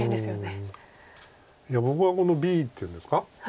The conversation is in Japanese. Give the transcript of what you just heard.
いや僕はこのＢっていうんですか。